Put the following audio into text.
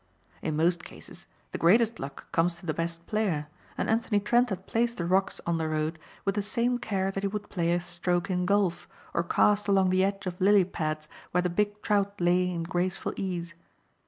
In most cases the greatest luck comes to the best player and Anthony Trent had placed the rocks on the road with the same care that he would play a stroke in golf or cast along the edge of lily pads where the big trout lay in graceful ease.